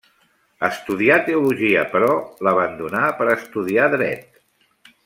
Estudià teologia, però l'abandonà per a estudiar dret.